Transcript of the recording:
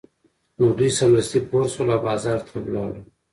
نو دوی سمدستي پورته شول او بازار ته لاړل